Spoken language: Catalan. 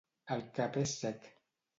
El cap és sec.